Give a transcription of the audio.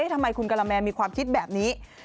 ทำไมคุณกะละแมนมีความคิดแบบนี้